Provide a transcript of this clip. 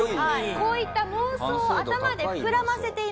こういった妄想を頭で膨らませていました。